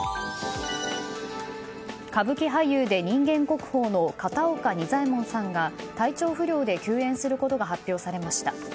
歌舞伎俳優で人間国宝の片岡仁左衛門さんが体調不良で休演することが発表されました。